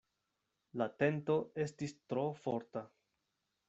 La tento estis tro forta.